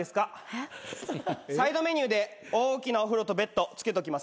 えっ？サイドメニューで大きなお風呂とベッドつけときますね。